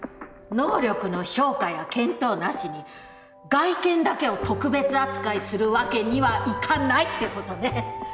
能力の評価や検討なしに外見だけを特別扱いするわけにはいかないってことね。